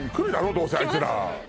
どうせあいつら来ます